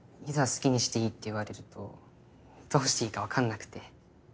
好きにしていいって言われるとどうしていいかわからなくて。